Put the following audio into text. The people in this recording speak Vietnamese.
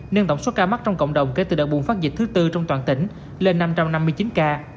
nâng tổng số ca mắc trong cộng đồng kể từ đợt bùng phát dịch thứ tư trong toàn tỉnh lên năm trăm năm mươi chín ca